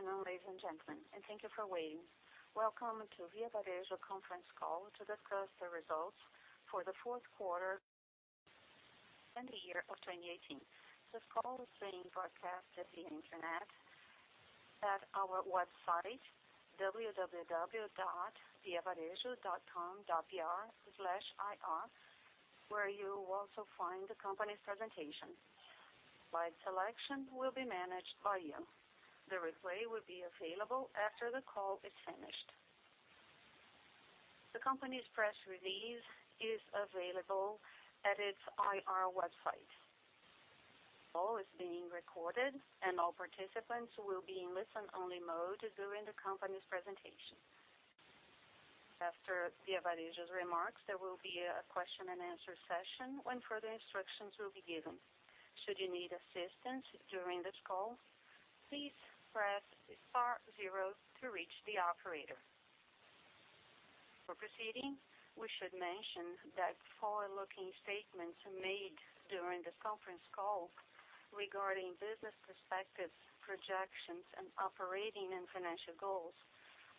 Good afternoon, ladies and gentlemen. Thank you for waiting. Welcome to Via Varejo conference call to discuss the results for the fourth quarter and the year of 2018. This call is being broadcasted via internet at our website www.viavarejo.com.br/ir, where you will also find the company's presentation. Live selection will be managed by you. The replay will be available after the call is finished. The company's press release is available at its IR website. Call is being recorded, and all participants will be in listen-only mode during the company's presentation. After Via Varejo's remarks, there will be a question and answer session, when further instructions will be given. Should you need assistance during this call, please press star-zero to reach the operator. For proceeding, we should mention that forward-looking statements made during this conference call regarding business perspectives, projections, and operating and financial goals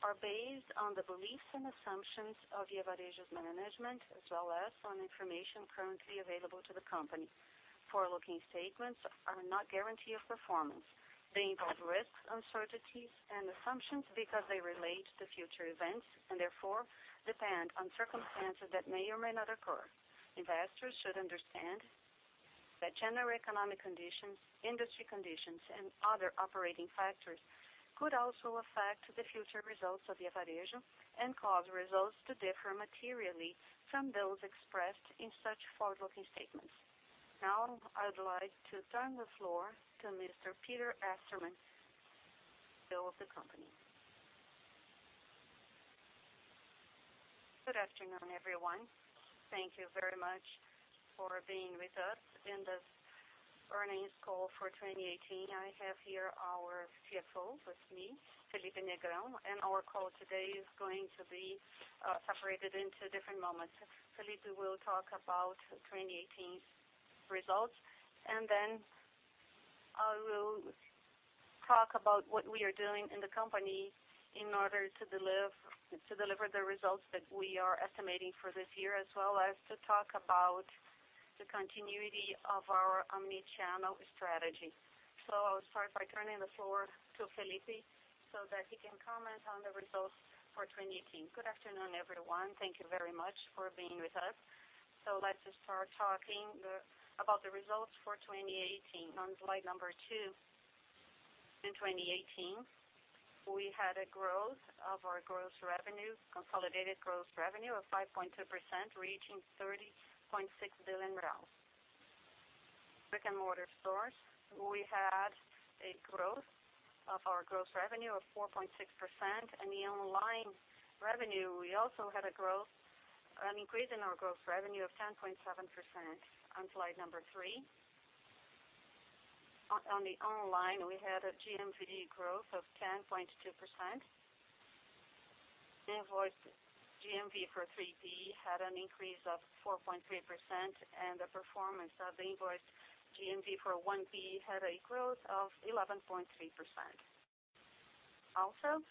are based on the beliefs and assumptions of Via Varejo's management, as well as on information currently available to the company. Forward-looking statements are not guarantee of performance. They involve risks, uncertainties, and assumptions because they relate to future events, and therefore, depend on circumstances that may or may not occur. Investors should understand that general economic conditions, industry conditions, and other operating factors could also affect the future results of Via Varejo and cause results to differ materially from those expressed in such forward-looking statements. Now, I'd like to turn the floor to Mr. Peter Estermann, CEO of the company. Good afternoon, everyone. Thank you very much for being with us in this earnings call for 2018. I have here our CFO with me, Felipe Negrão. Our call today is going to be separated into different moments. Felipe will talk about 2018 results, and then I will talk about what we are doing in the company in order to deliver the results that we are estimating for this year, as well as to talk about the continuity of our omni-channel strategy. I'll start by turning the floor to Felipe, so that he can comment on the results for 2018. Good afternoon, everyone. Thank you very much for being with us. Let's start talking about the results for 2018. On slide number two. In 2018, we had a growth of our consolidated gross revenue of 5.2%, reaching 30.6 billion real. Brick-and-mortar stores, we had a growth of our gross revenue of 4.6%, and the online revenue, we also had an increase in our gross revenue of 10.7%. On slide number three. On the online, we had a GMV growth of 10.2%. Invoiced GMV for 3P had an increase of 4.3%, and the performance of invoiced GMV for 1P had a growth of 11.3%. Also,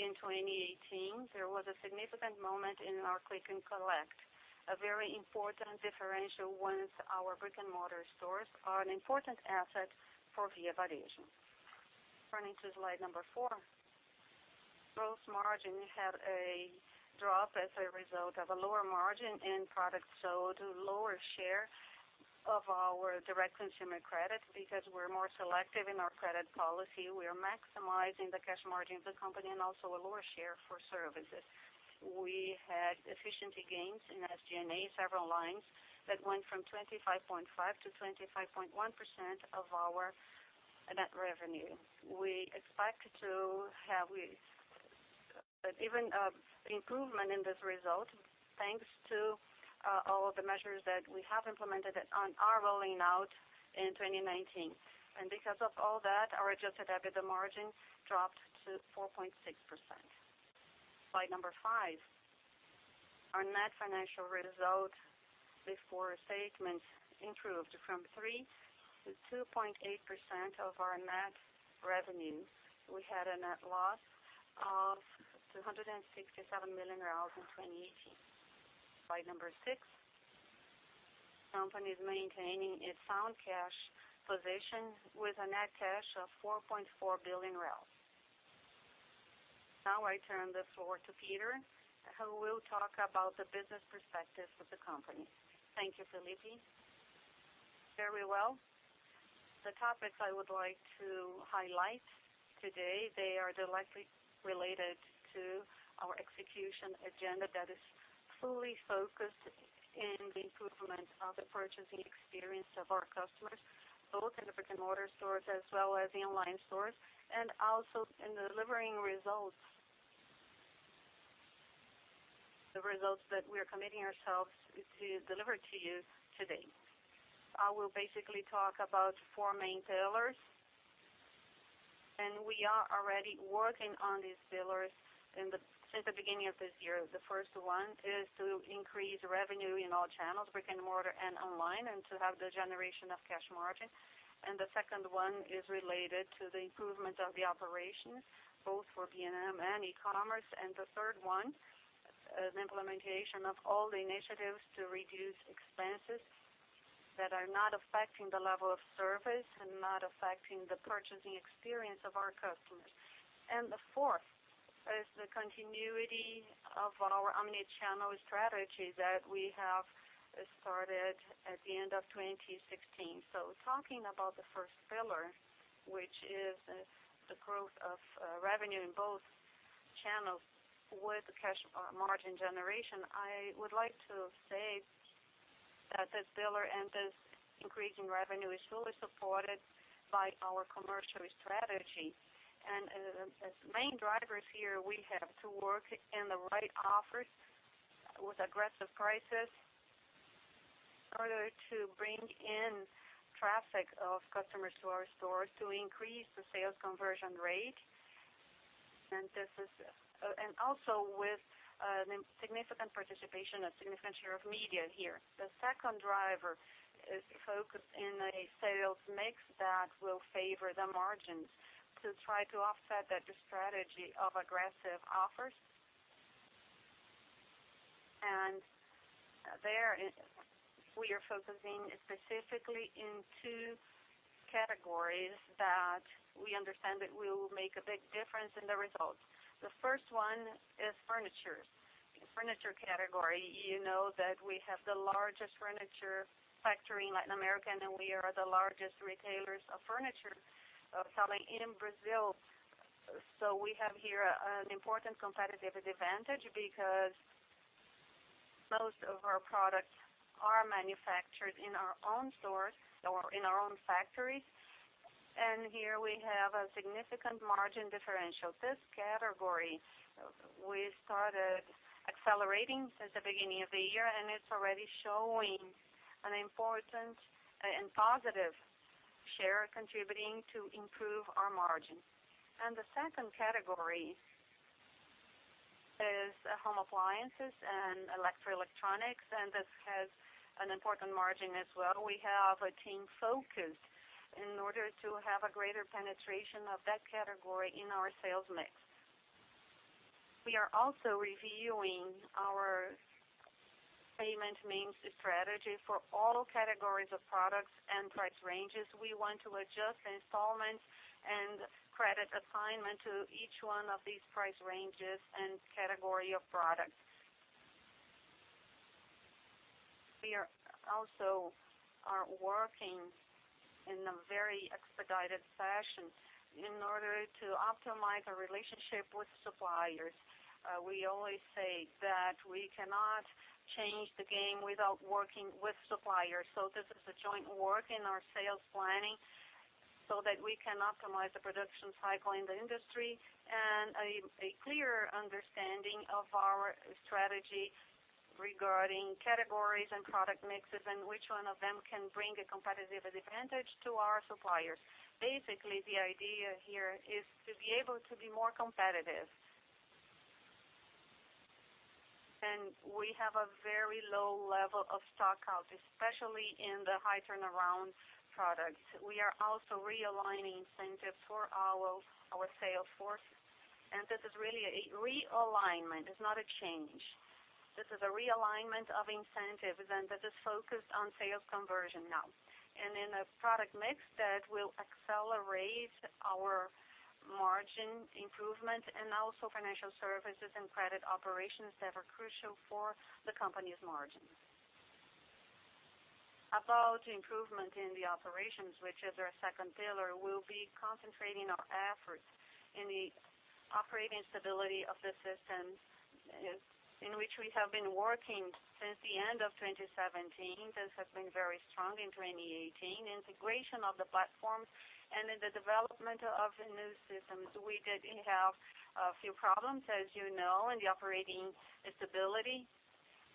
in 2018, there was a significant moment in our click and collect, a very important differential once our brick-and-mortar stores are an important asset for Via Varejo. Turning to slide number four. Gross margin had a drop as a result of a lower margin in products sold, a lower share of our direct consumer credit, because we're more selective in our credit policy. We are maximizing the cash margin of the company, and also a lower share for services. We had efficiency gains in SG&A, several lines that went from 25.5%-25.1% of our net revenue. We expect to have an even improvement in this result, thanks to all of the measures that we have implemented and are rolling out in 2019. Because of all that, our adjusted EBITDA margin dropped to 4.6%. Slide number five. Our net financial result before statements improved from 3% to 2.8% of our net revenue. We had a net loss of 267 million in 2018. Slide number six. Company is maintaining its sound cash position with a net cash of 4.4 billion. I turn the floor to Peter, who will talk about the business perspective of the company. Thank you, Felipe. Very well. The topics I would like to highlight today, they are directly related to our execution agenda that is fully focused in the improvement of the purchasing experience of our customers, both in the brick-and-mortar stores as well as the online stores, also in delivering results. The results that we're committing ourselves to deliver to you today. I will basically talk about four main pillars. We are already working on these pillars since the beginning of this year. The first one is to increase revenue in all channels, brick-and-mortar and online, and to have the generation of cash margin. The second one is related to the improvement of the operations, both for B&M and e-commerce. The third one is implementation of all the initiatives to reduce expenses that are not affecting the level of service and not affecting the purchasing experience of our customers. The fourth is the continuity of our omni-channel strategy that we have started at the end of 2016. Talking about the first pillar, which is the growth of revenue in both channels with the cash margin generation, I would like to say that this pillar and this increase in revenue is fully supported by our commercial strategy. As main drivers here, we have to work in the right offers with aggressive prices in order to bring in traffic of customers to our stores to increase the sales conversion rate. Also with a significant participation, a significant share of media here. The second driver is focused in a sales mix that will favor the margins to try to offset the strategy of aggressive offers. There, we are focusing specifically in two categories that we understand that will make a big difference in the results. The first one is furniture. Furniture category, you know that we have the largest furniture factory in Latin America, and we are the largest retailers of furniture selling in Brazil. We have here an important competitive advantage because most of our products are manufactured in our own stores or in our own factories. Here we have a significant margin differential. This category, we started accelerating since the beginning of the year, and it's already showing an important and positive share contributing to improve our margin. The second category is home appliances and electroelectronics, and this has an important margin as well. We have a team focused in order to have a greater penetration of that category in our sales mix. We are also reviewing our payment means strategy for all categories of products and price ranges. We want to adjust installments and credit assignment to each one of these price ranges and category of products. We also are working in a very expedited fashion in order to optimize our relationship with suppliers. We always say that we cannot change the game without working with suppliers. This is a joint work in our sales planning so that we can optimize the production cycle in the industry and a clear understanding of our strategy regarding categories and product mixes and which one of them can bring a competitive advantage to our suppliers. Basically, the idea here is to be able to be more competitive. We have a very low level of stockout, especially in the high turnaround products. We are also realigning incentives for our sales force. This is really a realignment. It's not a change. This is a realignment of incentives, and that is focused on sales conversion now. In a product mix that will accelerate our margin improvement and also financial services and credit operations that are crucial for the company's margin. About improvement in the operations, which is our second pillar, we'll be concentrating our efforts in the operating stability of the systems in which we have been working since the end of 2017. This has been very strong in 2018. Integration of the platforms and in the development of the new systems. We did have a few problems, as you know, in the operating stability.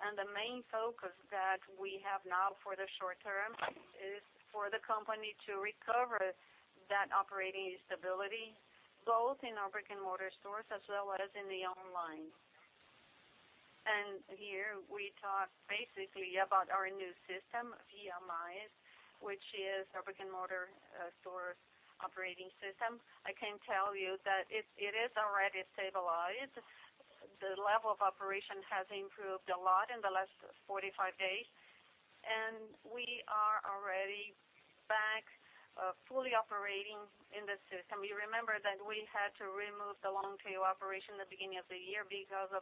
The main focus that we have now for the short term is for the company to recover that operating stability, both in our brick-and-mortar stores as well as in the online. Here we talk basically about our new system, VMS, which is our brick-and-mortar store operating system. I can tell you that it is already stabilized. The level of operation has improved a lot in the last 45 days, and we are already back fully operating in the system. You remember that we had to remove the long tail operation at the beginning of the year because of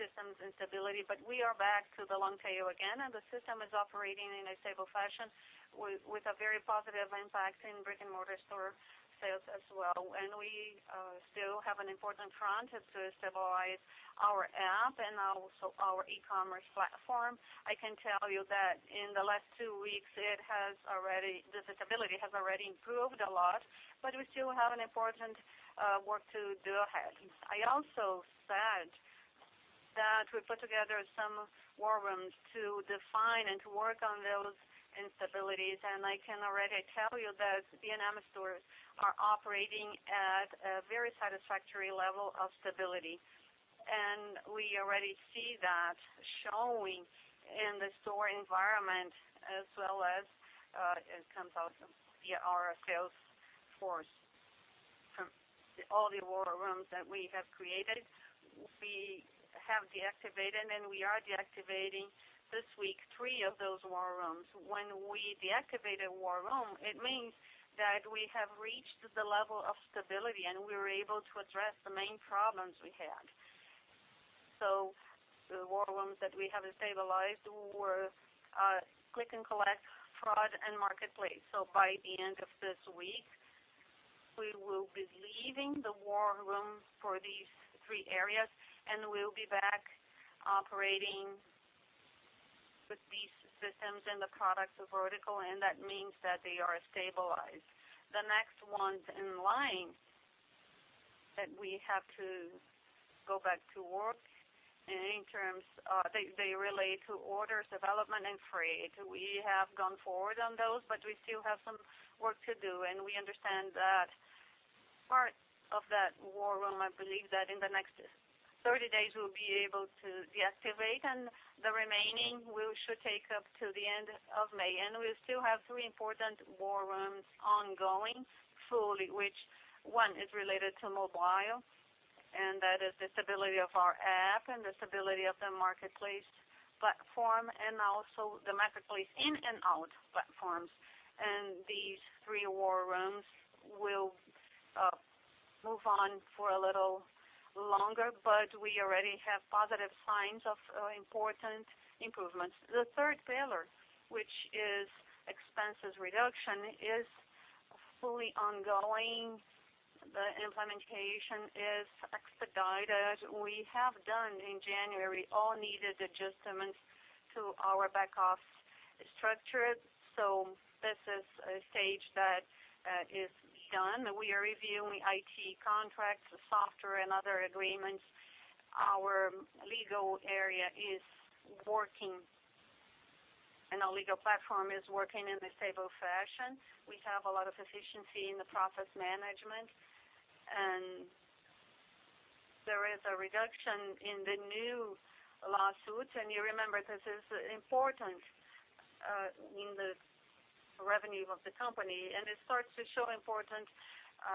systems instability, but we are back to the long tail again, and the system is operating in a stable fashion with a very positive impact in brick-and-mortar store sales as well. We still have an important front. It's to stabilize our app and also our e-commerce platform. I can tell you that in the last two weeks, the stability has already improved a lot, but we still have an important work to do ahead. I also said that we put together some war rooms to define and to work on those instabilities. I can already tell you that B&M stores are operating at a very satisfactory level of stability. We already see that showing in the store environment as well as it comes out via our sales force. From all the war rooms that we have created, we have deactivated, and we are deactivating this week, three of those war rooms. When we deactivate a war room, it means that we have reached the level of stability, and we were able to address the main problems we had. The war rooms that we have stabilized were Click and Collect, Fraud, and Marketplace. By the end of this week, we will be leaving the war room for these three areas, and we will be back operating with these systems and the products vertical, and that means that they are stabilized. The next ones in line that we have to go back to work, they relate to Orders, Development, and Freight. We have gone forward on those, but we still have some work to do, and we understand that part of that war room, I believe that in the next 30 days, we'll be able to deactivate, and the remaining we should take up to the end of May. We still have three important war rooms ongoing fully, which one is related to mobile, and that is the stability of our app and the stability of the marketplace platform, and also the marketplace in and out platforms. These three war rooms will move on for a little longer, but we already have positive signs of important improvements. The third pillar, which is expenses reduction, is fully ongoing. The implementation is expedited. We have done in January all needed adjustments to our back-office structure. This is a stage that is done. We are reviewing IT contracts, software, and other agreements. Our legal area is working, and our legal platform is working in a stable fashion. We have a lot of efficiency in the process management, and there is a reduction in the new lawsuits. You remember, this is important in the revenue of the company, and it starts to show important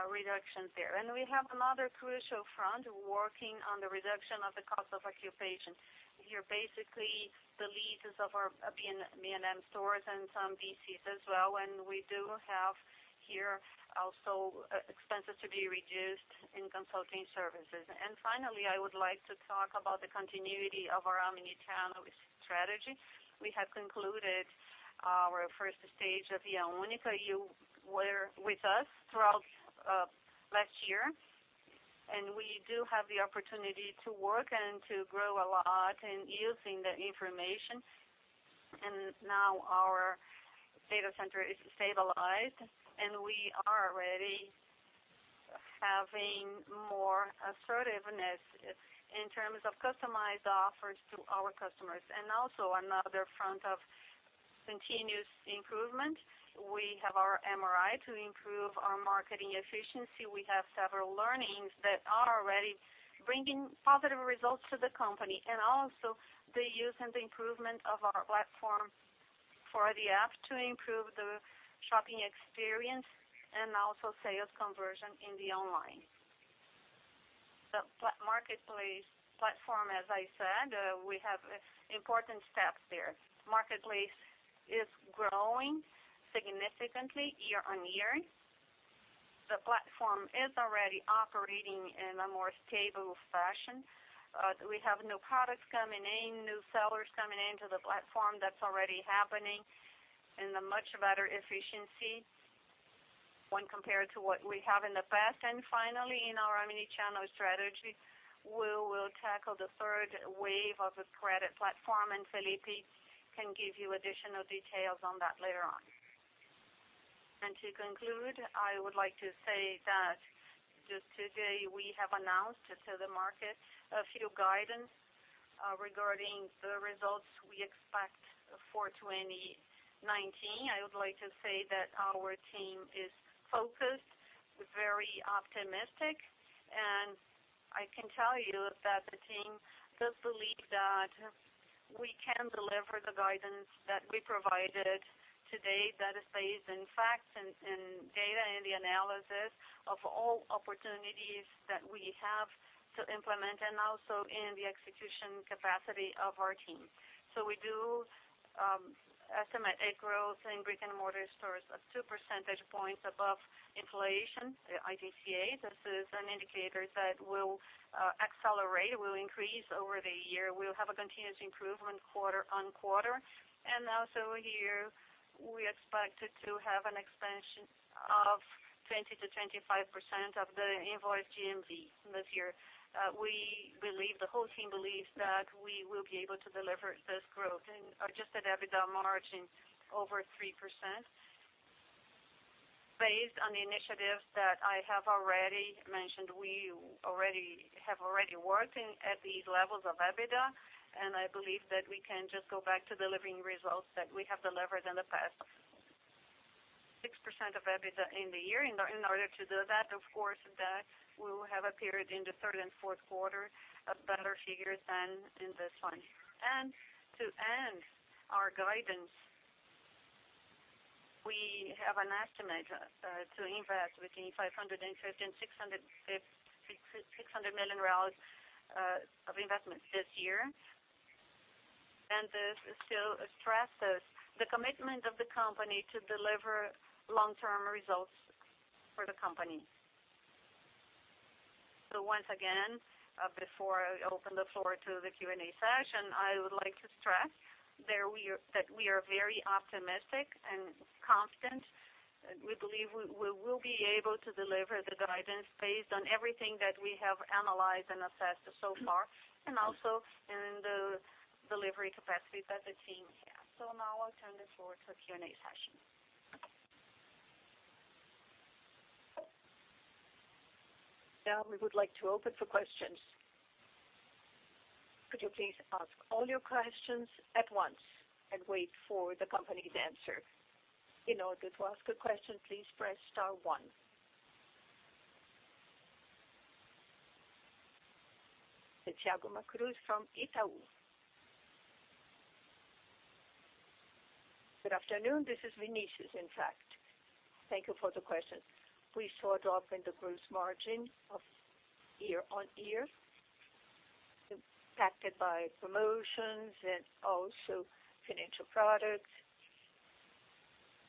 reductions there. We have another crucial front working on the reduction of the cost of occupations. Here, basically the leases of our B&M stores and some BCs as well, and we do have here also expenses to be reduced in consulting services. Finally, I would like to talk about the continuity of our omnichannel strategy. We have concluded our first stage of Via Única. You were with us throughout last year, and we do have the opportunity to work and to grow a lot in using the information. Now our data center is stabilized, and we are already having more assertiveness in terms of customized offers to our customers. Also another front of continuous improvement, we have our CRM to improve our marketing efficiency. We have several learnings that are already bringing positive results to the company, and also the use and the improvement of our platform for the app to improve the shopping experience and also sales conversion in the online. The marketplace platform, as I said, we have important steps there. Marketplace is growing significantly year on year. The platform is already operating in a more stable fashion. We have new products coming in, new sellers coming into the platform. That's already happening in a much better efficiency when compared to what we have in the past. Finally, in our omnichannel strategy, we will tackle the third wave of the credit platform, and Felipe can give you additional details on that later on. To conclude, I would like to say that just today we have announced to the market a few guidance regarding the results we expect for 2019. I would like to say that our team is focused, very optimistic, and I can tell you that the team does believe that we can deliver the guidance that we provided today that is based in facts and data and the analysis of all opportunities that we have to implement and also in the execution capacity of our team. We do estimate a growth in brick and mortar stores of two percentage points above inflation, IPCA. This is an indicator that will accelerate, will increase over the year. We will have a continuous improvement quarter-on-quarter. Also here, we expect to have an expansion of 20%-25% of the invoice GMV this year. We believe, the whole team believes, that we will be able to deliver this growth and adjusted EBITDA margin over 3%. Based on the initiatives that I have already mentioned, we have already working at these levels of EBITDA, and I believe that we can just go back to delivering results that we have delivered in the past. 6% of EBITDA in the year. In order to do that, of course, that will have appeared in the third and fourth quarter, better figures than in this one. To end our guidance, we have an estimate to invest between 550 million and 600 million of investment this year. This still stresses the commitment of the company to deliver long-term results for the company. Once again, before I open the floor to the Q&A session, I would like to stress that we are very optimistic and confident. We believe we will be able to deliver the guidance based on everything that we have analyzed and assessed so far, and also in the delivery capacity that the team has. Now I will turn the floor to Q&A session. Now we would like to open for questions. Could you please ask all your questions at once and wait for the company's answer. In order to ask a question, please press star one. Thiago Macruz from Itaú. Good afternoon. This is Vinicius, in fact. Thank you for the question. We saw a drop in the gross margin of year-on-year, impacted by promotions and also financial products.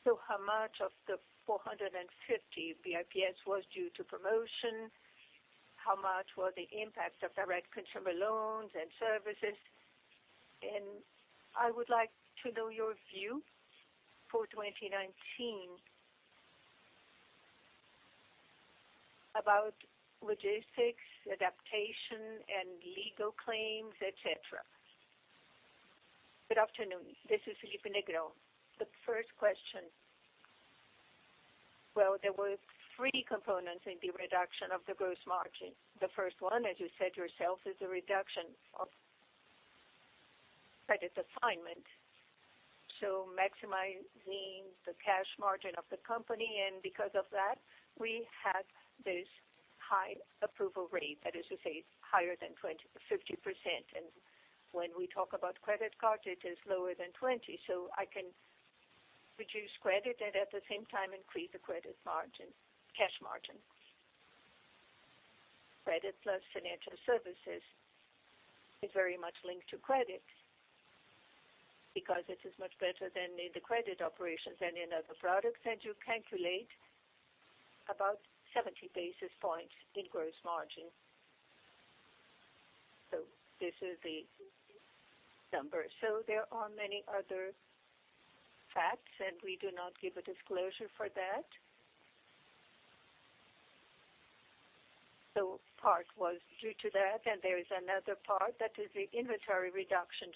How much of the 450 BPS was due to promotion? How much were the impact of direct consumer loans and services? I would like to know your view for 2019 about logistics, adaptation, and legal claims, et cetera. Good afternoon. This is Felipe Negrão. The first question. Well, there were 3 components in the reduction of the gross margin. The first one, as you said yourself, is the reduction of credit assignment. Maximizing the cash margin of the company, and because of that, we had this high approval rate, that is to say, higher than 50%. When we talk about credit card, it is lower than 20%. Credit plus financial services is very much linked to credit, because this is much better than in the credit operations and in other products, and you calculate about 70 basis points in gross margin. This is the number. There are many other facts, and we do not give a disclosure for that. Part was due to that, and there is another part that is the inventory reduction.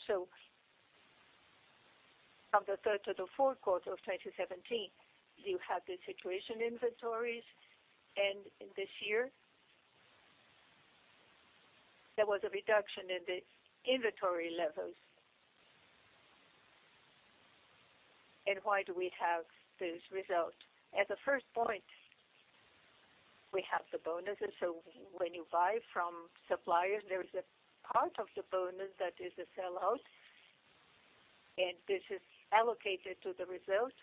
From the third to the fourth quarter of 2017, you have the situation inventories, and in this year, there was a reduction in the inventory levels. Why do we have this result? As a first point, we have the bonuses. When you buy from suppliers, there is a part of the bonus that is a sellout, and this is allocated to the result.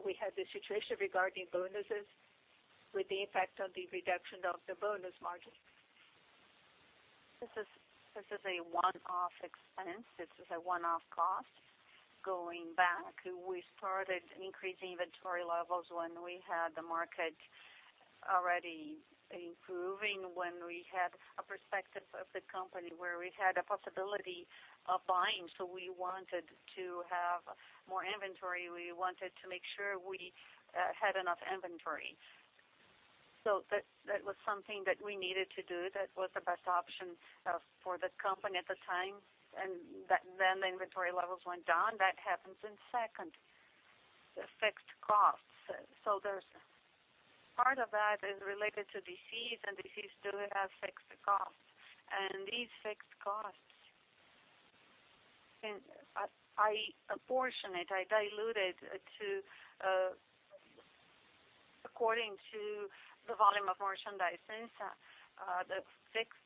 We had the situation regarding bonuses with the impact on the reduction of the bonus margin. This is a one-off expense. This is a one-off cost. Going back, we started increasing inventory levels when we had the market already improving, when we had a perspective of the company where we had a possibility of buying. We wanted to have more inventory. We wanted to make sure we had enough inventory. That was something that we needed to do. That was the best option for the company at the time. The inventory levels went down. That happens in second, the fixed costs. Part of that is related to leases, and leases do have fixed costs. These fixed costs, I apportion it, I dilute it according to the volume of merchandise. Since the fixed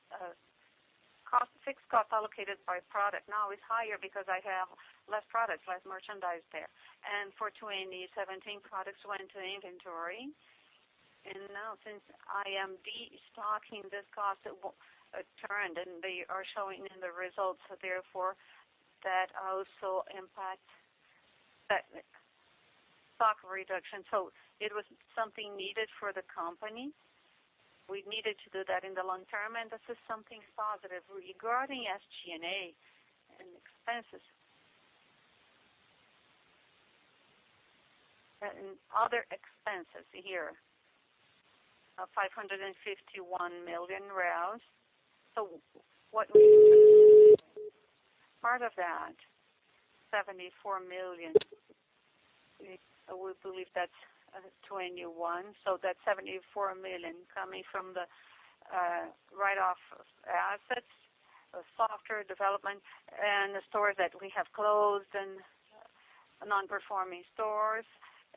cost allocated by product now is higher because I have less products, less merchandise there. For 2017, products went into the inventory. Now since I am de-stocking this cost, it turned and they are showing in the results, therefore, that also impacts stock reduction. It was something needed for the company. We needed to do that in the long term, and this is something positive. Regarding SG&A and expenses and other expenses here, 551 million. What part of that 74 million, we believe that's 21. That's 74 million coming from the write-off of assets, software development, and the stores that we have closed, and non-performing stores.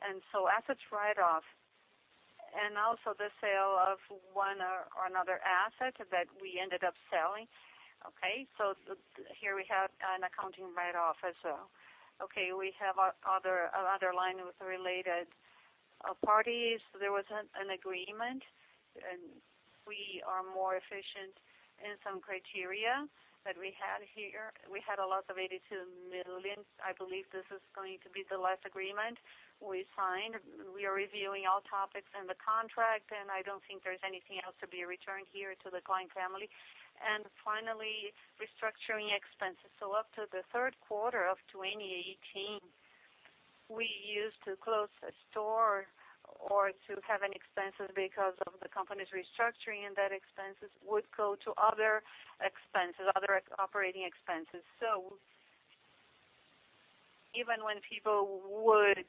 Assets write-off. Also the sale of one or another asset that we ended up selling. Here we have an accounting write-off as well. We have another line with related parties. There was an agreement, and we are more efficient in some criteria that we had here. We had a loss of 82 million. I believe this is going to be the last agreement we signed. We are reviewing all topics in the contract, and I don't think there's anything else to be returned here to the Klein family. Restructuring expenses. Up to the third quarter of 2018, we used to close a store or to have an expense because of the company's restructuring, and that expense would go to other expenses, other operating expenses. Even when people would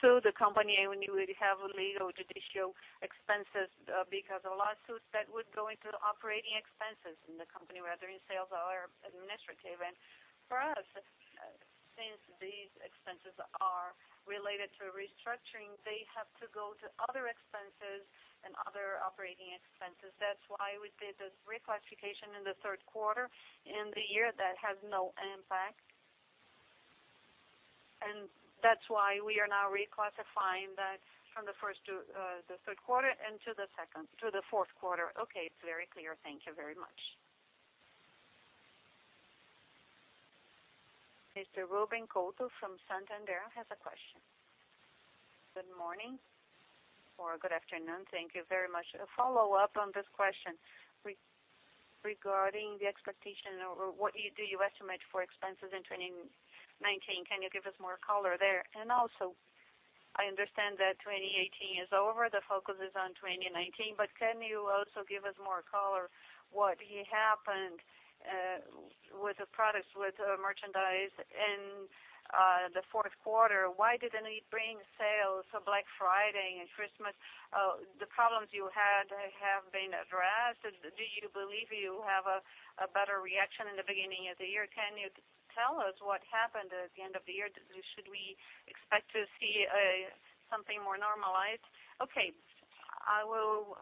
sue the company and we would have legal judicial expenses because of lawsuits, that would go into the operating expenses in the company, rather in sales or administrative. For us, since these expenses are related to restructuring, they have to go to other expenses and other operating expenses. That's why we did this reclassification in the third quarter in the year that has no impact. That's why we are now reclassifying that from the first to the third quarter and to the fourth quarter. Okay, it's very clear. Thank you very much. Mr. Ruben Couto from Santander has a question. Good morning or good afternoon. Thank you very much. A follow-up on this question regarding the expectation or what do you estimate for expenses in 2019? Can you give us more color there? Also, I understand that 2018 is over, the focus is on 2019, but can you also give us more color, what happened with the products, with the merchandise in the fourth quarter? Why didn't it bring sales of Black Friday and Christmas? The problems you had have been addressed. Do you believe you have a better reaction in the beginning of the year? Can you tell us what happened at the end of the year? Should we expect to see something more normalized? I will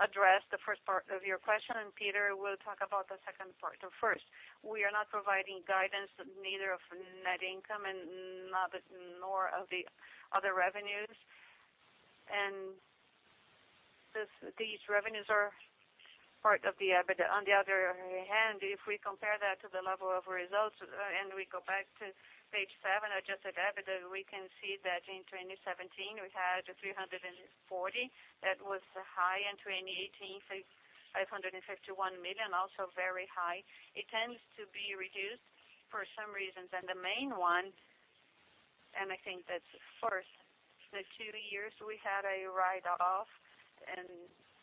address the first part of your question, and Peter will talk about the second part. First, we are not providing guidance, neither of net income and nor of the other revenues. These revenues are part of the EBITDA. On the other hand, if we compare that to the level of results and we go back to page seven, adjusted EBITDA, we can see that in 2017, we had 340. That was high. In 2018, 551 million, also very high. It tends to be reduced for some reasons. The main one, and I think that first, the two years we had a write-off, and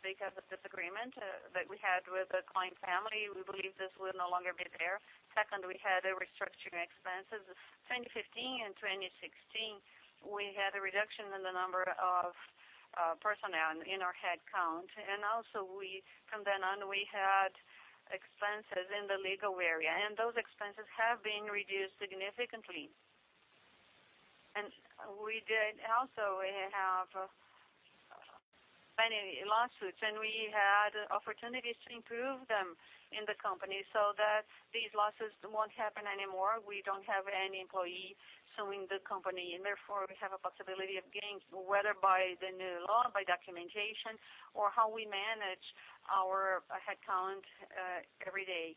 because of this agreement that we had with the Klein family, we believe this will no longer be there. Second, we had restructuring expenses. 2015 and 2016, we had a reduction in the number of personnel in our headcount. Also from then on, we had expenses in the legal area, and those expenses have been reduced significantly. We did also have many lawsuits, and we had opportunities to improve them in the company so that these lawsuits won't happen anymore. We don't have any employee suing the company, and therefore we have a possibility of gains, whether by the new law, by documentation, or how we manage our headcount every day.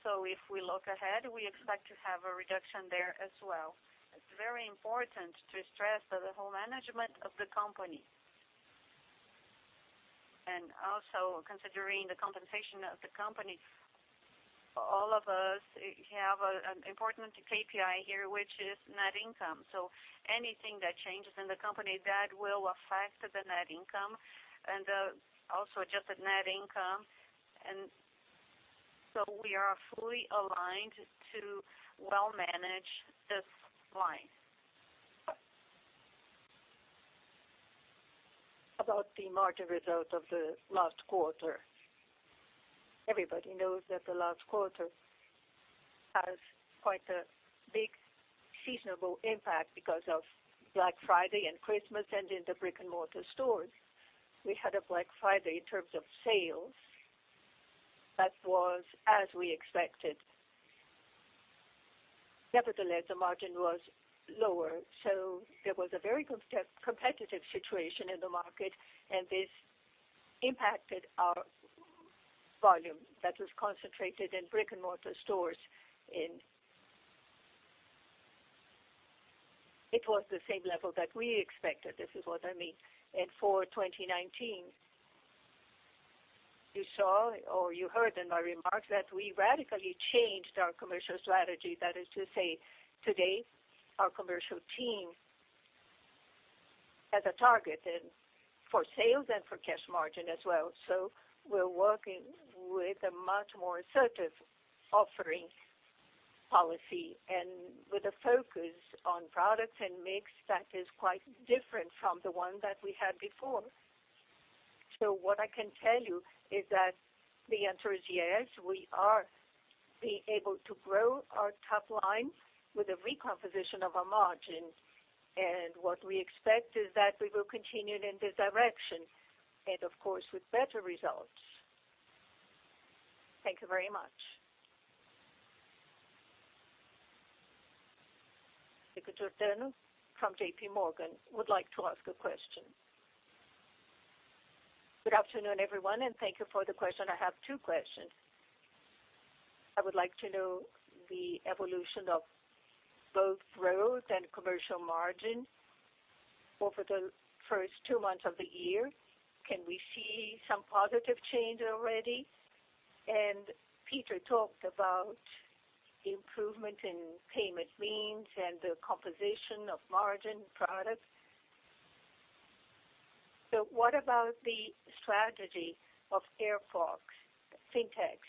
If we look ahead, we expect to have a reduction there as well. It's very important to stress that the whole management of the company, and also considering the compensation of the company, all of us have an important KPI here, which is net income. Anything that changes in the company, that will affect the net income and also adjusted net income. We are fully aligned to well manage this line. About the margin result of the last quarter. Everybody knows that the last quarter has quite a big seasonable impact because of Black Friday and Christmas, and in the brick-and-mortar stores. We had a Black Friday in terms of sales that was as we expected. Nevertheless, the margin was lower. There was a very competitive situation in the market, and this impacted our volume that was concentrated in brick-and-mortar stores. It was the same level that we expected, this is what I mean. For 2019-You saw or you heard in my remarks that we radically changed our commercial strategy. That is to say, today, our commercial team has a target and for sales and for cash margin as well. We're working with a much more assertive offering policy and with a focus on products and mix that is quite different from the one that we had before. What I can tell you is that the answer is yes, we are being able to grow our top line with a recomposition of our margin. What we expect is that we will continue in this direction and, of course, with better results. Thank you very much. Ms. Jordana from JP Morgan would like to ask a question. Good afternoon, everyone, and thank you for the question. I have two questions. I would like to know the evolution of both growth and commercial margin over the first two months of the year. Can we see some positive change already? Peter talked about improvement in payment means and the composition of margin products. What about the strategy of Airfox Fintech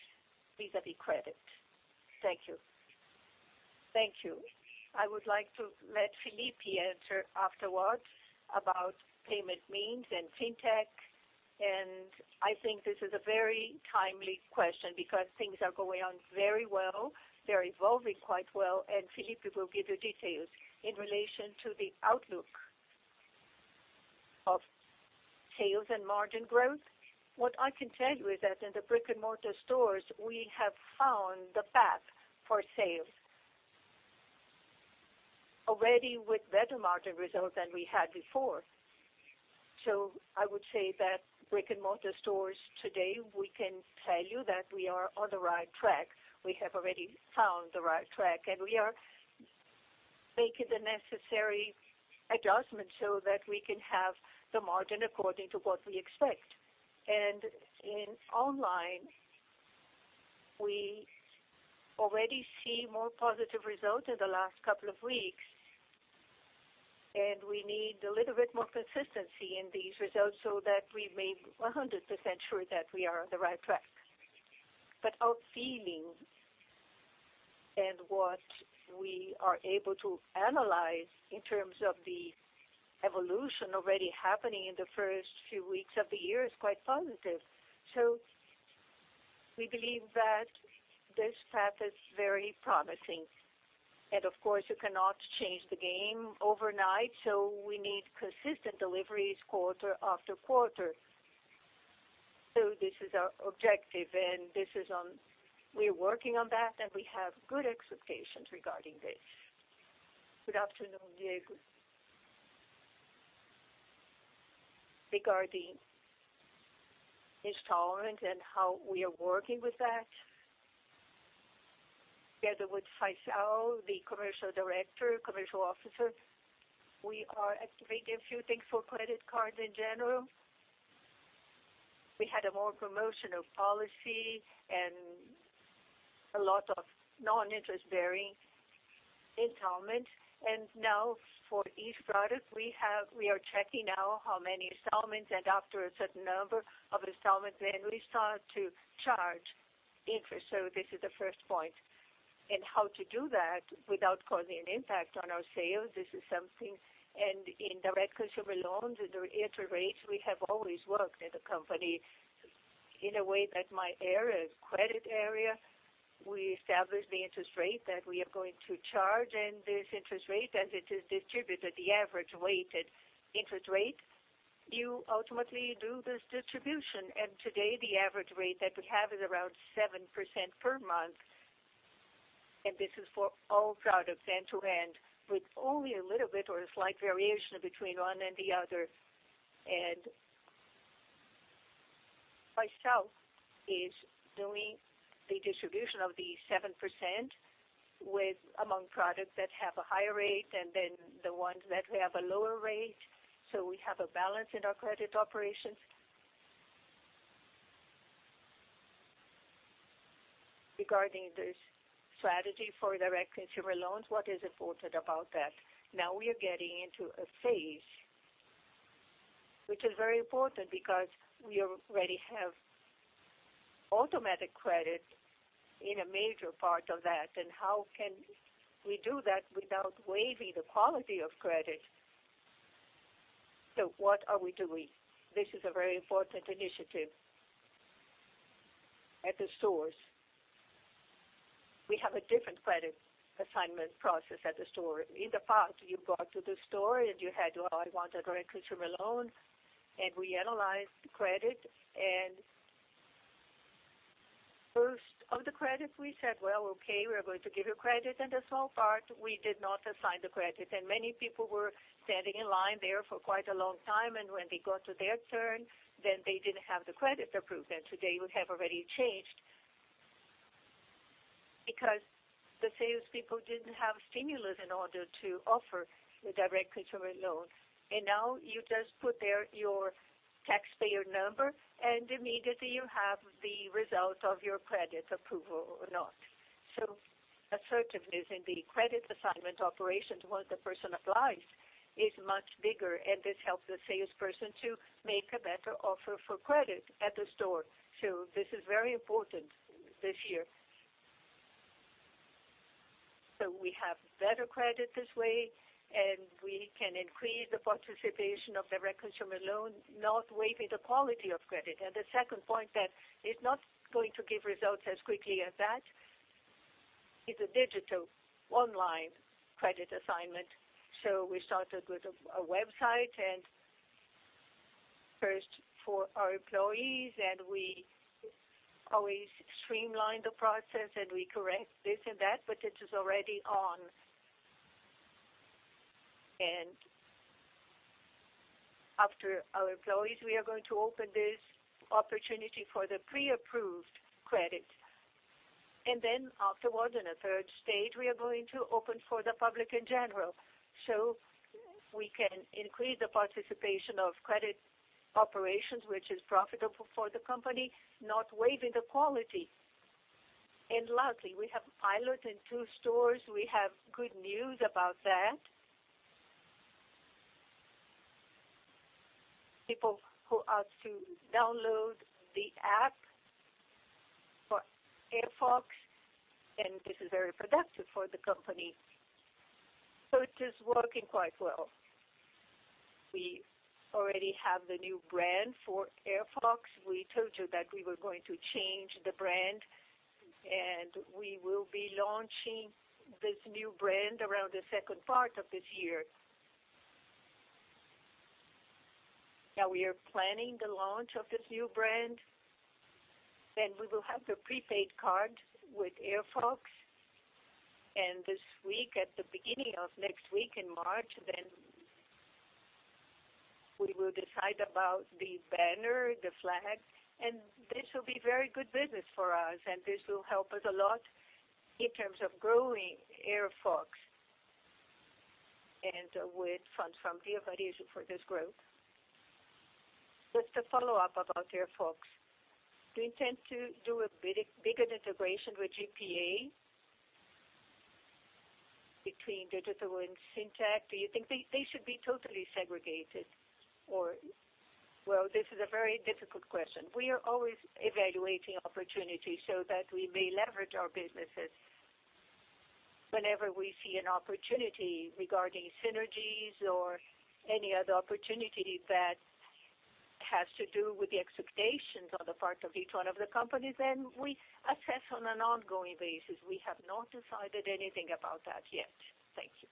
vis-a-vis credit? Thank you. Thank you. I would like to let Felipe answer afterwards about payment means and fintech. I think this is a very timely question because things are going on very well. They're evolving quite well, and Felipe will give you details. In relation to the outlook of sales and margin growth, what I can tell you is that in the brick-and-mortar stores, we have found the path for sales already with better margin results than we had before. I would say that brick-and-mortar stores today, we can tell you that we are on the right track. We have already found the right track, and we are making the necessary adjustments so that we can have the margin according to what we expect. In online, we already see more positive results in the last couple of weeks, and we need a little bit more consistency in these results so that we may be 100% sure that we are on the right track. Our feeling and what we are able to analyze in terms of the evolution already happening in the first few weeks of the year is quite positive. We believe that this path is very promising. Of course, you cannot change the game overnight, we need consistent deliveries quarter after quarter. This is our objective, and we're working on that, and we have good expectations regarding this. Good afternoon, Diego. Regarding installment and how we are working with that, together with Faisal, the Commercial Director, Commercial Officer, we are activating a few things for credit cards in general. We had a more promotional policy and a lot of non-interest-bearing installments. For each product, we are checking now how many installments, and after a certain number of installments, we start to charge interest. This is the first point. How to do that without causing an impact on our sales, this is something. In direct consumer loans, the interest rates, we have always worked at the company in a way that my area, credit area, we establish the interest rate that we are going to charge, and this interest rate, as it is distributed, the average weighted interest rate, you ultimately do this distribution. Today, the average rate that we have is around 7% per month, and this is for all products end-to-end, with only a little bit or a slight variation between one and the other. Faisal is doing the distribution of the 7% among products that have a higher rate and then the ones that have a lower rate. We have a balance in our credit operations. Regarding the strategy for direct consumer loans, what is important about that? Now we are getting into a phase which is very important because we already have automatic credit in a major part of that, how can we do that without waiving the quality of credit? What are we doing? This is a very important initiative. At the stores, we have a different credit assignment process at the store. In the past, you got to the store and you had to, "Oh, I want a direct consumer loan." We analyzed the credit. First of the credit, we said, "Well, okay, we're going to give you credit." The small part, we did not assign the credit. Many people were standing in line there for quite a long time, and when they got to their turn, then they didn't have the credit approved. Today, we have already changed because the salespeople didn't have stimulus in order to offer the direct consumer loan. Now you just put there your taxpayer number, and immediately you have the result of your credit approval or not. Assertiveness in the credit assignment operations, once the person applies, is much bigger, and this helps the salesperson to make a better offer for credit at the store. This is very important this year. We have better credit this way, and we can increase the participation of direct consumer loan, not waiving the quality of credit. The second point that is not going to give results as quickly as that, is a digital online credit assignment. We started with a website, and first for our employees, and we always streamline the process, and we correct this and that, but it is already on. After our employees, we are going to open this opportunity for the pre-approved credit. Afterwards, in a stage 3, we are going to open for the public in general. We can increase the participation of credit operations, which is profitable for the company, not waiving the quality. Lastly, we have pilot in two stores. We have good news about that. People who ask to download the app for Airfox, and this is very productive for the company. It is working quite well. We already have the new brand for Airfox. We told you that we were going to change the brand, and we will be launching this new brand around the second part of this year. Now we are planning the launch of this new brand. Then we will have the prepaid card with Airfox. This week, at the beginning of next week, in March, we will decide about the banner, the flag. This will be very good business for us, and this will help us a lot in terms of growing Airfox and with funds from Via Varejo for this growth. Just a follow-up about Airfox. Do you intend to do a bigger integration with GPA between Digital and Cnova? Do you think they should be totally segregated? Well, this is a very difficult question. We are always evaluating opportunities so that we may leverage our businesses. Whenever we see an opportunity regarding synergies or any other opportunity that has to do with the expectations on the part of each one of the companies, we assess on an ongoing basis. We have not decided anything about that yet. Thank you.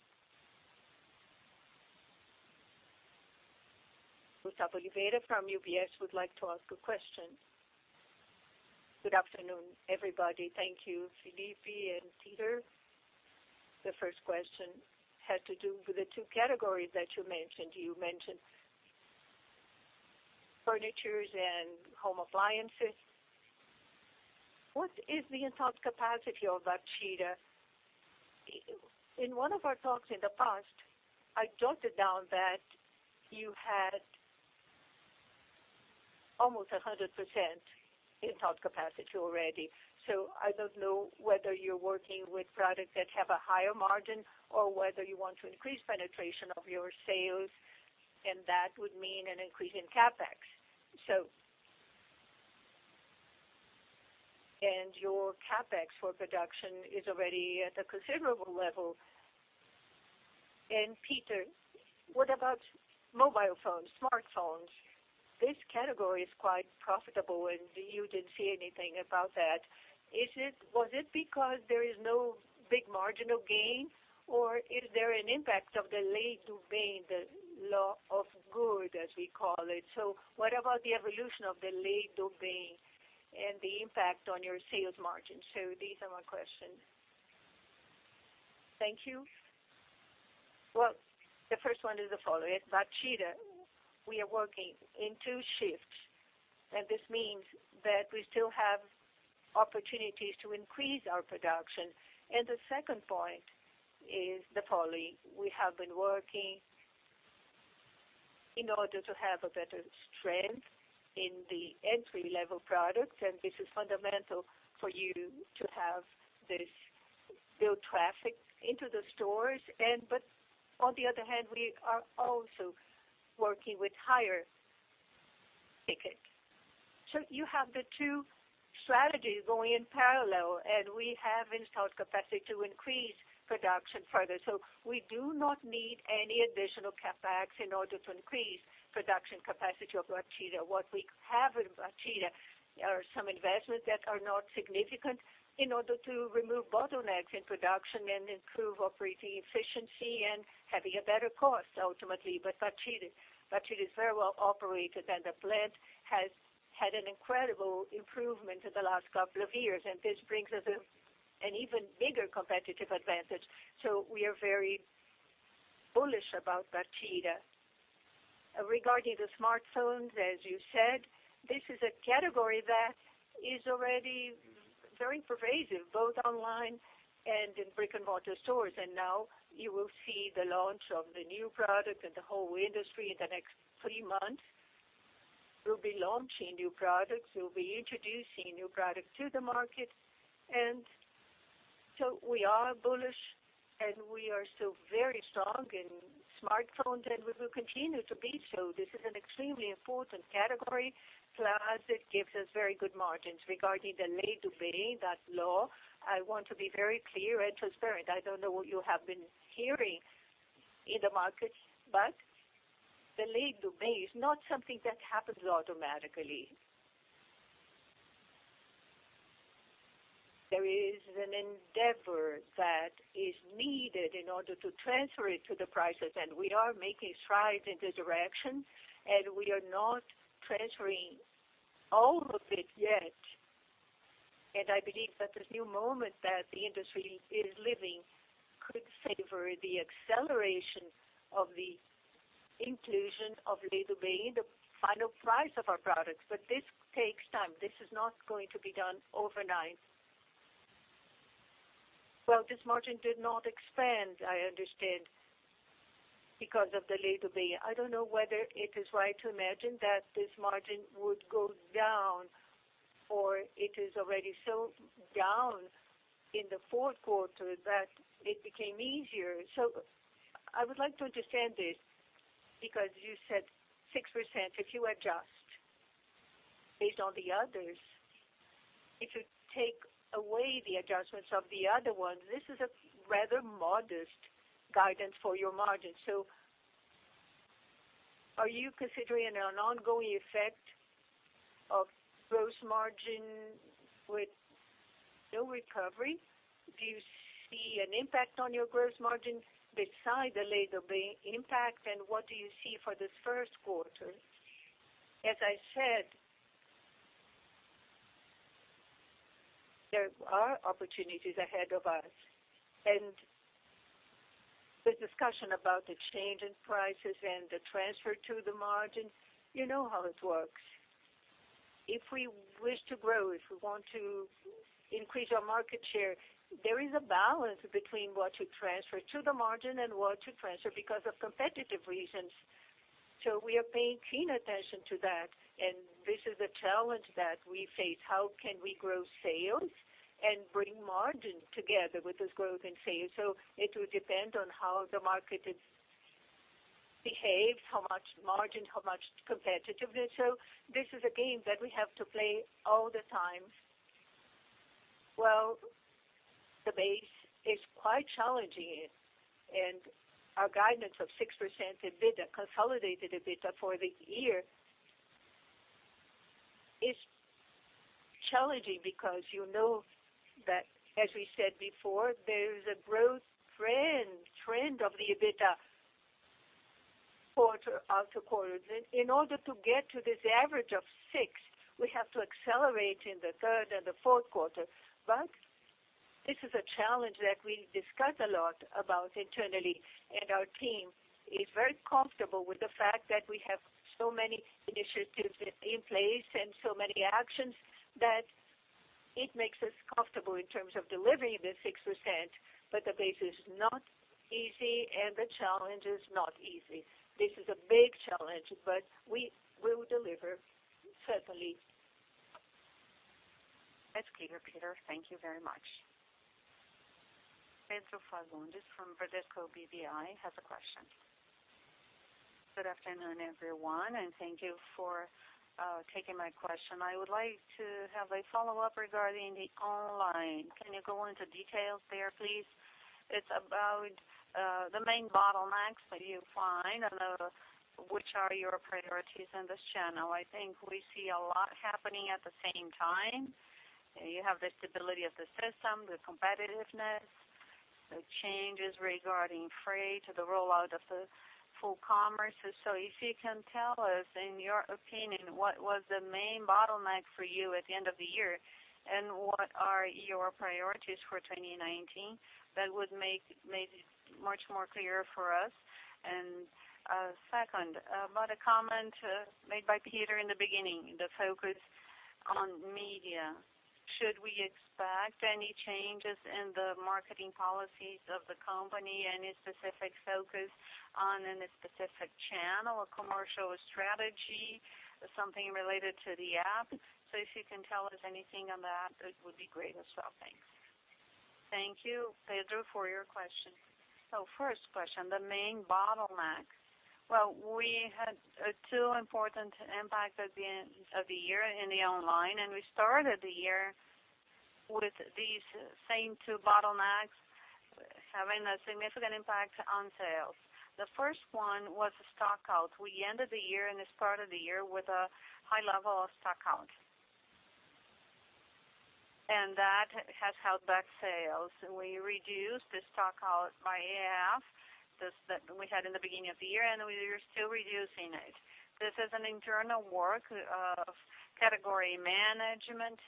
Rute Oliveira from UBS would like to ask a question. Good afternoon, everybody. Thank you, Felipe and Peter. The first question had to do with the two categories that you mentioned. You mentioned furniture and home appliances. What is the installed capacity of Bartira? In one of our talks in the past, I jotted down that you had almost 100% installed capacity already. I don't know whether you're working with products that have a higher margin or whether you want to increase penetration of your sales, and that would mean an increase in CapEx. Your CapEx for production is already at a considerable level. Peter, what about mobile phones, smartphones? This category is quite profitable, and you didn't say anything about that. Was it because there is no big marginal gain, or is there an impact of the Lei do Bem, the law of good, as we call it? What about the evolution of the Lei do Bem and the impact on your sales margin? These are my questions. Thank you. Well, the first one is the following. At Bartira, we are working in two shifts. This means that we still have opportunities to increase our production. The second point is the Poli. We have been working in order to have a better strength in the entry-level products, and this is fundamental for you to have this build traffic into the stores. On the other hand, we are also working with higher ticket. You have the two strategies going in parallel, and we have installed capacity to increase production further. We do not need any additional CapEx in order to increase production capacity of Bartira. What we have in Bartira are some investments that are not significant in order to remove bottlenecks in production and improve operating efficiency and having a better cost, ultimately. Bartira is very well operated, and the plant has had an incredible improvement in the last couple of years, and this brings us an even bigger competitive advantage. We are very bullish about Bartira. Regarding the smartphones, as you said, this is a category that is already very pervasive, both online and in brick-and-mortar stores. Now you will see the launch of the new product and the whole industry in the next three months. We'll be launching new products. We'll be introducing new products to the market. We are bullish, we are still very strong in smartphones, and we will continue to be so. This is an extremely important category, plus it gives us very good margins. Regarding the Lei do Bem, that law, I want to be very clear and transparent. I don't know what you have been hearing in the market, the Lei do Bem is not something that happens automatically. There is an endeavor that is needed in order to transfer it to the prices, we are making strides in this direction, and we are not transferring all of it yet. I believe that this new moment that the industry is living could favor the acceleration of the inclusion of Lei do Bem in the final price of our products. This takes time. This is not going to be done overnight. This margin did not expand, I understand, because of the Lei do Bem. I don't know whether it is right to imagine that this margin would go down, or it is already so down in the fourth quarter that it became easier. I would like to understand this, because you said 6%, if you adjust based on the others. If you take away the adjustments of the other ones, this is a rather modest guidance for your margin. Are you considering an ongoing effect of gross margin with no recovery? Do you see an impact on your gross margin beside the Lei do Bem impact? What do you see for this first quarter? As I said, there are opportunities ahead of us. The discussion about the change in prices and the transfer to the margin, you know how it works. If we wish to grow, if we want to increase our market share, there is a balance between what to transfer to the margin and what to transfer because of competitive reasons. We are paying keen attention to that, and this is a challenge that we face. How can we grow sales and bring margin together with this growth in sales? It will depend on how the market behaves, how much margin, how much competitiveness. This is a game that we have to play all the time. The base is quite challenging, and our guidance of 6% EBITDA, consolidated EBITDA for the year, is challenging because you know that, as we said before, there is a growth trend of the EBITDA quarter after quarter. In order to get to this average of six, we have to accelerate in the third and the fourth quarter. This is a challenge that we discuss a lot about internally. Our team is very comfortable with the fact that we have so many initiatives in place and so many actions that it makes us comfortable in terms of delivering the 6%. The base is not easy, and the challenge is not easy. This is a big challenge. We will deliver, certainly. That's clear, Peter. Thank you very much. Pedro Fajnzylber from Bradesco BBI has a question. Good afternoon, everyone, and thank you for taking my question. I would like to have a follow-up regarding the online. Can you go into details there, please? It's about the main bottlenecks that you find and which are your priorities in this channel. I think we see a lot happening at the same time. You have the stability of the system, the competitiveness, the changes regarding freight, the rollout of the full commerce. If you can tell us, in your opinion, what was the main bottleneck for you at the end of the year, and what are your priorities for 2019? That would make it much more clear for us. Second, about a comment made by Peter in the beginning, the focus on media. Should we expect any changes in the marketing policies of the company? Any specific focus on any specific channel or commercial strategy, something related to the app? If you can tell us anything on that, it would be great as well. Thanks. Thank you, Pedro, for your question. First question, the main bottleneck. Well, we had two important impacts at the end of the year in the online. We started the year with these same two bottlenecks having a significant impact on sales. The first one was stock out. We ended the year and started the year with a high level of stock out. That has held back sales. We reduced the stock out by half that we had in the beginning of the year, and we are still reducing it. This is an internal work of category management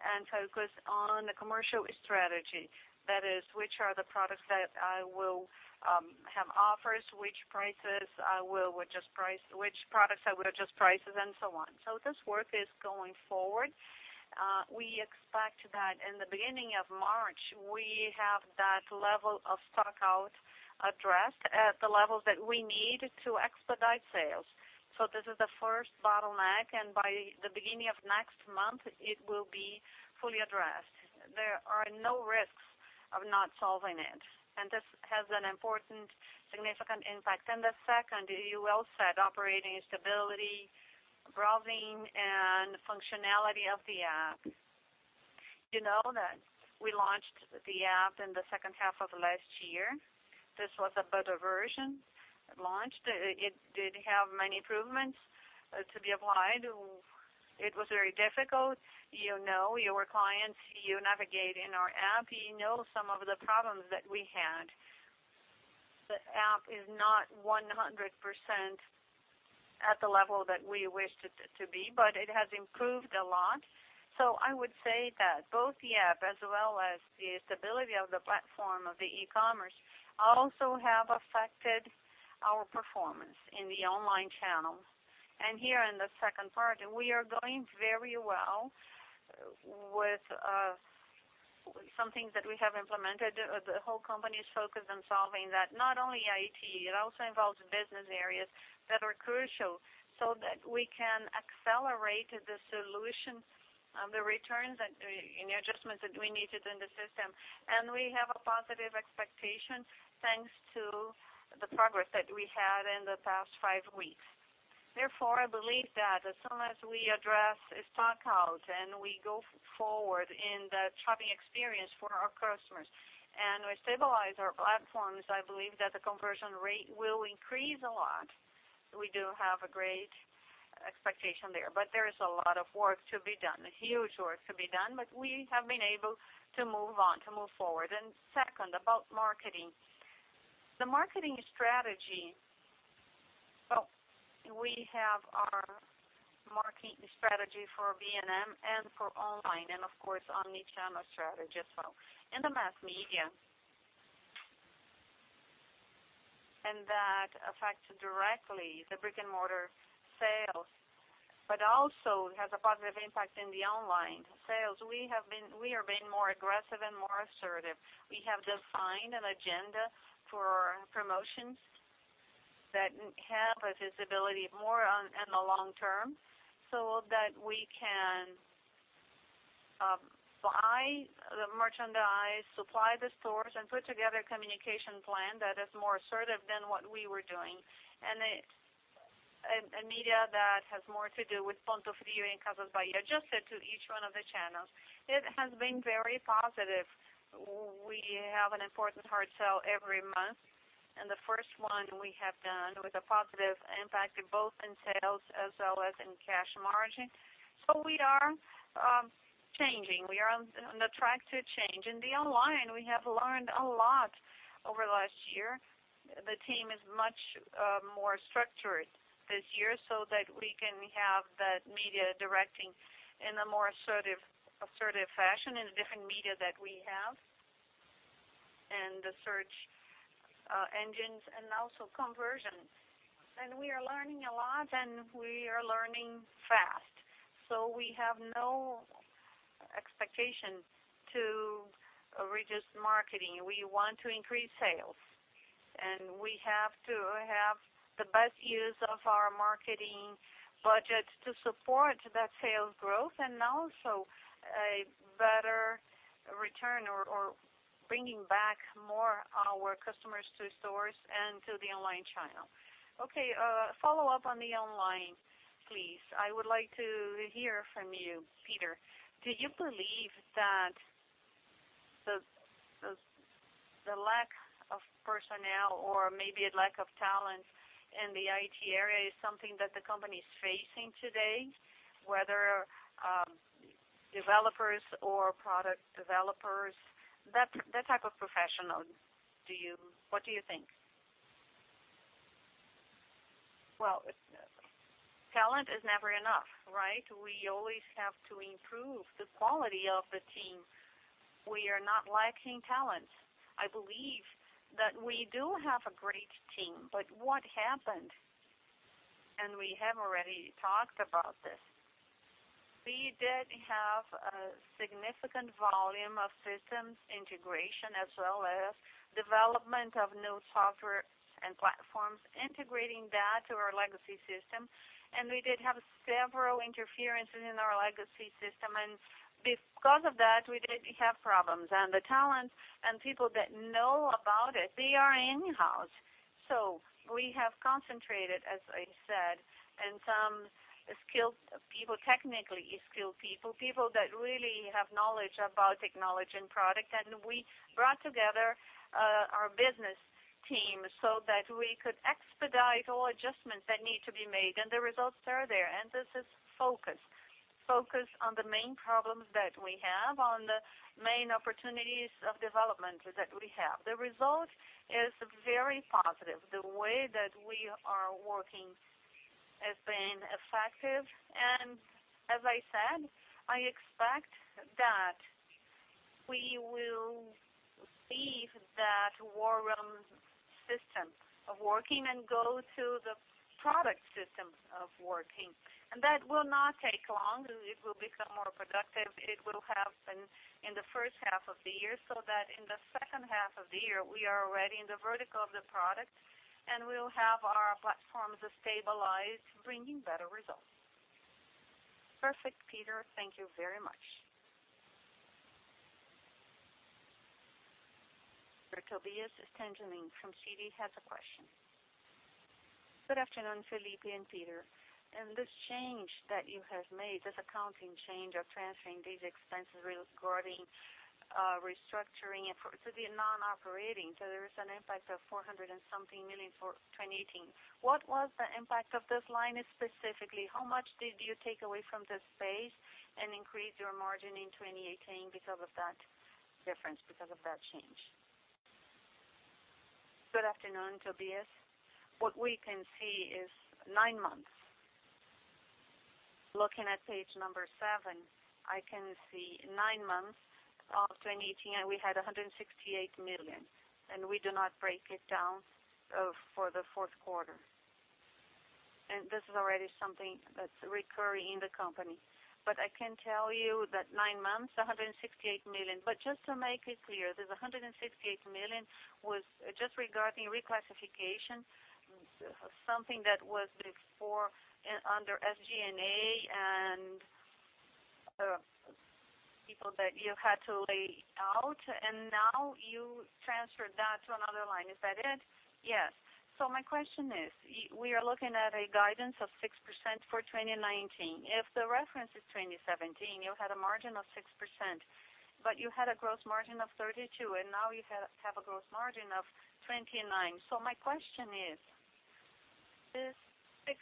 and focus on the commercial strategy. That is, which are the products that I will have offers, which products I will adjust prices, and so on. This work is going forward. We expect that in the beginning of March, we have that level of stock-out addressed at the levels that we need to expedite sales. This is the first bottleneck, and by the beginning of next month, it will be fully addressed. There are no risks of not solving it, and this has an important significant impact. The second, you well said, operating stability, browsing, and functionality of the app. You know that we launched the app in the second half of last year. This was a beta version launched. It did have many improvements to be applied. It was very difficult. You know your clients, you navigate in our app, you know some of the problems that we had. The app is not 100% at the level that we wish it to be, but it has improved a lot. I would say that both the app as well as the stability of the platform of the e-commerce also have affected our performance in the online channel. Here in the second part, we are going very well with some things that we have implemented. The whole company is focused on solving that, not only IT, it also involves business areas that are crucial, so that we can accelerate the solution, the returns, and the adjustments that we needed in the system. We have a positive expectation thanks to the progress that we had in the past five weeks. Therefore, I believe that as soon as we address stock-out, and we go forward in the shopping experience for our customers, and we stabilize our platforms, I believe that the conversion rate will increase a lot. We do have a great expectation there. There is a lot of work to be done, huge work to be done, but we have been able to move on, to move forward. Second, about marketing. The marketing strategy, we have our marketing strategy for B&M and for online and of course omnichannel strategy as well. In the mass media, that affects directly the brick-and-mortar sales, but also has a positive impact in the online sales. We are being more aggressive and more assertive. We have defined an agenda for promotions that have a visibility more in the long term, so that we can buy the merchandise, supply the stores, and put together a communication plan that is more assertive than what we were doing. A media that has more to do with Pontofrio and Casas Bahia, adjusted to each one of the channels. It has been very positive. We have an important hard sell every month, and the first one we have done with a positive impact both in sales as well as in cash margin. We are changing. We are on the track to change. In the online, we have learned a lot over last year. The team is much more structured this year so that we can have that media directing in a more assertive fashion in the different media that we have, and the search engines, and also conversion. We are learning a lot, and we are learning fast. We have no expectation to reduce marketing. We want to increase sales. We have to have the best use of our marketing budget to support that sales growth and also a better return or bringing back more our customers to stores and to the online channel. Okay, follow up on the online, please. I would like to hear from you, Peter. Do you believe that the lack of personnel or maybe a lack of talent in the IT area is something that the company is facing today, whether developers or product developers, that type of professional, what do you think? Well, talent is never enough, right? We always have to improve the quality of the team. We are not lacking talent. I believe that we do have a great team, but what happened, we have already talked about this, we did have a significant volume of systems integration as well as development of new software and platforms, integrating that to our legacy system. We did have several interferences in our legacy system. Because of that, we did have problems. The talent and people that know about it, they are in-house. We have concentrated, as I said, in some skilled people, technically skilled people that really have knowledge about technology and product. We brought together our business team so that we could expedite all adjustments that need to be made, and the results are there. This is focus. Focus on the main problems that we have, on the main opportunities of development that we have. The result is very positive. The way that we are working has been effective. As I said, I expect that we will leave that war room system of working and go to the product system of working. That will not take long. It will become more productive. It will happen in the first half of the year, so that in the second half of the year, we are already in the vertical of the product, and we will have our platforms stabilized, bringing better results. Perfect, Peter. Thank you very much. Here, Tobias Stingelin from CS has a question. Good afternoon, Felipe and Peter. This change that you have made, this accounting change of transferring these expenses regarding restructuring to the non-operating, there is an impact of 400 something million for 2018. What was the impact of this line specifically? How much did you take away from this base and increase your margin in 2018 because of that difference, because of that change? Good afternoon, Tobias. What we can see is nine months. Looking at page seven, I can see nine months of 2018, we had 168 million, we do not break it down for the fourth quarter. This is already something that's recurring in the company. I can tell you that nine months, 168 million. Just to make it clear, this 168 million was just regarding reclassification, something that was before under SG&A, and people that you had to lay out, and now you transferred that to another line. Is that it? Yes. My question is, we are looking at a guidance of 6% for 2019. If the reference is 2017, you had a margin of 6%, but you had a gross margin of 32%, and now you have a gross margin of 29%. My question is, this 6%,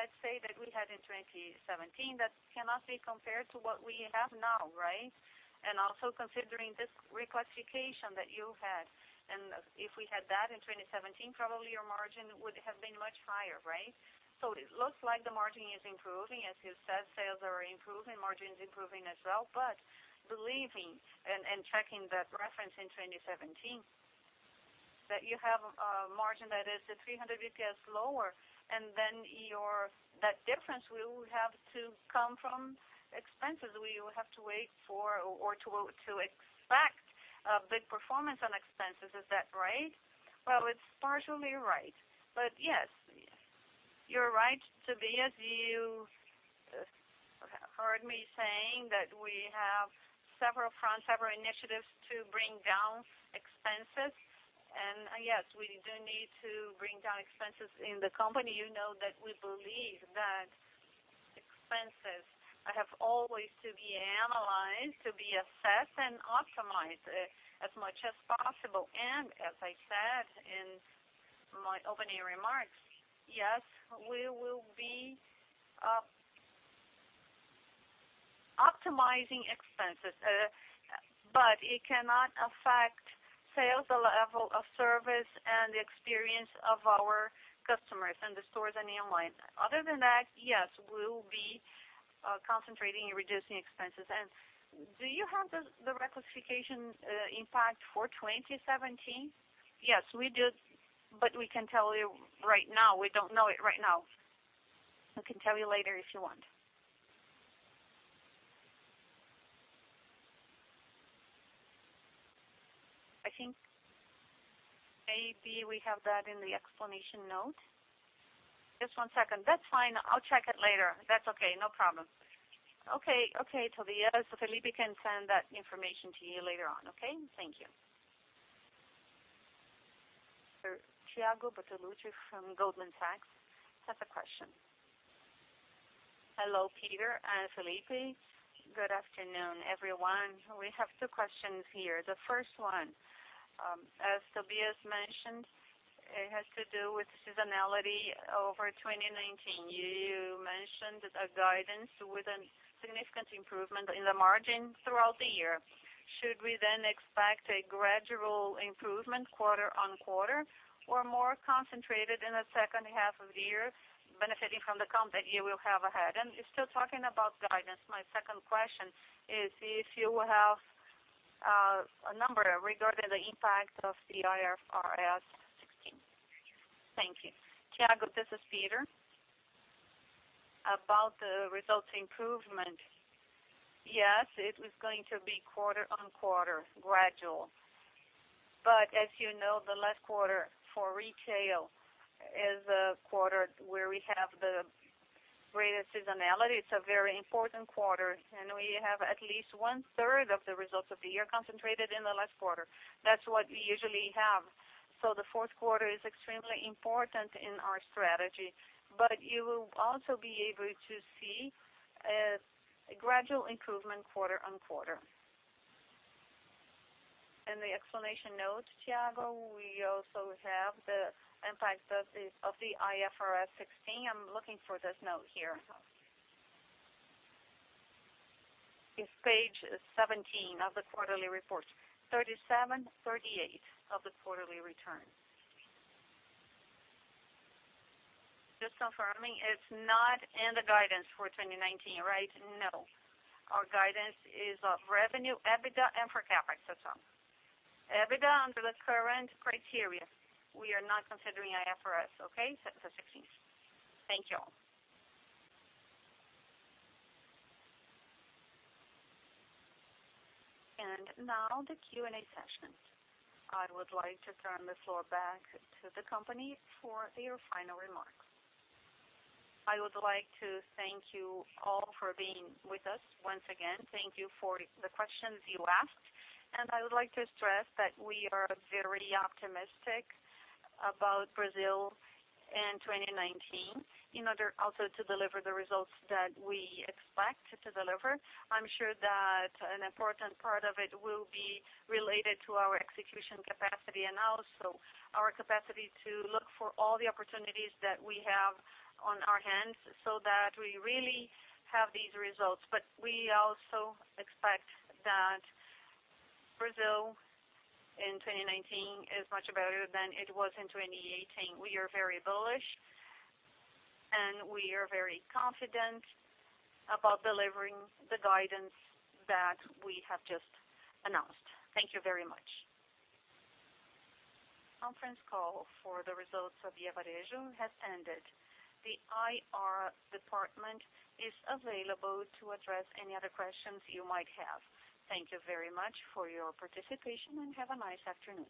let's say that we had in 2017, that cannot be compared to what we have now, right? Also considering this reclassification that you had, and if we had that in 2017, probably your margin would have been much higher, right? It looks like the margin is improving. As you said, sales are improving, margin's improving as well. Believing and checking that reference in 2017, that you have a margin that is at 300 basis points lower, then that difference will have to come from expenses. We will have to wait for or to expect a big performance on expenses. Is that right? Well, it's partially right. Yes. You're right, Tobias. You heard me saying that we have several initiatives to bring down expenses. Yes, we do need to bring down expenses in the company. You know that we believe that expenses have always to be analyzed, to be assessed, and optimized as much as possible. As I said in my opening remarks, yes, we will be optimizing expenses, but it cannot affect sales, the level of service, and the experience of our customers in the stores and online. Other than that, yes, we will be concentrating in reducing expenses. Do you have the reclassification impact for 2017? Yes, we do. We can tell you right now, we don't know it right now. I can tell you later if you want. I think maybe we have that in the explanation note. Just one second. That's fine. I'll check it later. That's okay. No problem. Okay. Tobias, Felipe can send that information to you later on, okay? Thank you. Thiago Bortoluci from Goldman Sachs has a question. Hello, Peter and Felipe. Good afternoon, everyone. We have two questions here. The first one, as Tobias mentioned, it has to do with seasonality over 2019. You mentioned a guidance with a significant improvement in the margin throughout the year. Should we expect a gradual improvement quarter-on-quarter, or more concentrated in the second half of the year, benefiting from the content you will have ahead? Still talking about guidance, my second question is if you have a number regarding the impact of the IFRS 16. Thank you. Thiago, this is Peter. About the results improvement, yes, it was going to be quarter-on-quarter gradual. As you know, the last quarter for retail is a quarter where we have the greatest seasonality. It's a very important quarter, we have at least one-third of the results of the year concentrated in the last quarter. That's what we usually have. The fourth quarter is extremely important in our strategy. You will also be able to see a gradual improvement quarter-on-quarter. In the explanation note, Thiago, we also have the impact of the IFRS 16. I'm looking for this note here. It's page 17 of the quarterly report. 37, 38 of the quarterly return. Just confirming, it's not in the guidance for 2019, right? No. Our guidance is of revenue, EBITDA, and for CapEx. That's all. EBITDA under the current criteria. We are not considering IFRS, okay? The 16. Thank you all. Now the Q&A session. I would like to turn the floor back to the company for your final remarks. I would like to thank you all for being with us once again. Thank you for the questions you asked, and I would like to stress that we are very optimistic about Brazil in 2019 in order also to deliver the results that we expect to deliver. I'm sure that an important part of it will be related to our execution capacity and also our capacity to look for all the opportunities that we have on our hands so that we really have these results. We also expect that Brazil in 2019 is much better than it was in 2018. We are very bullish, and we are very confident about delivering the guidance that we have just announced. Thank you very much. Conference call for the results of Via Varejo has ended. The IR department is available to address any other questions you might have. Thank you very much for your participation, and have a nice afternoon.